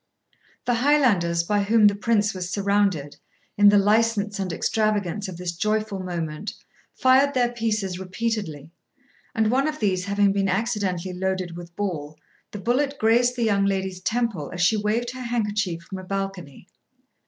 The Highlanders by whom the Prince was surrounded, in the license and extravagance of this joyful moment, fired their pieces repeatedly, and one of these having been accidentally loaded with ball, the bullet grazed the young lady's temple as she waved her handkerchief from a balcony.